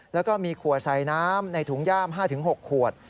แล้วก็มีขวดใส่น้ำในถุงย่าม๕๖ขวด